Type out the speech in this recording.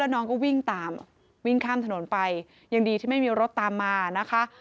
น้องก็วิ่งตามวิ่งข้ามถนนไปยังดีที่ไม่มีรถตามมานะคะ